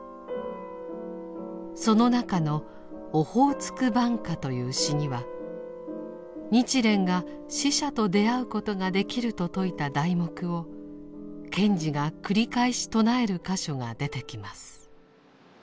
その中の「オホーツク挽歌」という詩には日蓮が死者と出会うことができると説いた題目を賢治が繰り返し唱える箇所が出てきます。